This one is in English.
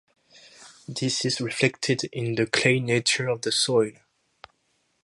This is reflected in the clay nature of the soil.